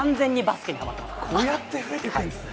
こうやって増えていくんです